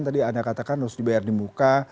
tadi anda katakan harus dibayar di muka